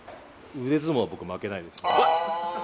腕相撲は僕負けないですああ